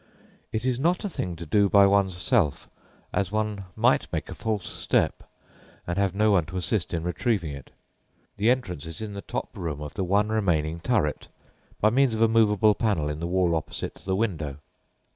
It is not a thing to do by one's self, as one might make a false step, and have no one to assist in retrieving it. The entrance is in the top room of the one remaining turret by means of a movable panel in the wall opposite the window.